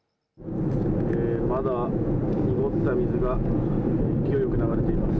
まだ濁った水が勢いよく流れています。